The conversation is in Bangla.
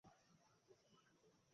আরে কেমন বাবা- চাচা তোমরা?